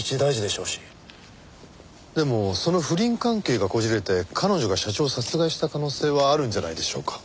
でもその不倫関係がこじれて彼女が社長を殺害した可能性はあるんじゃないでしょうか？